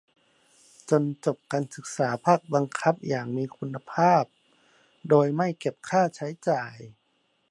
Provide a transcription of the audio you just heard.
จนจบการศึกษาภาคบังคับอย่างมีคุณภาพ โดยไม่เก็บค่าใช้จ่าย